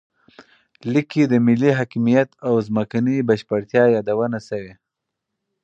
لیک کې د ملي حاکمیت او ځمکنۍ بشپړتیا یادونه شوې.